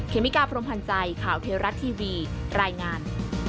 เมกาพรมพันธ์ใจข่าวเทวรัฐทีวีรายงาน